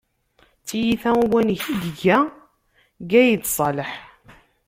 D tiyita n uwanek i iga Gayed Ṣaleḥ.